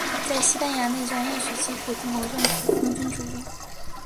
在西班牙内战一举击溃共和政府空军主力。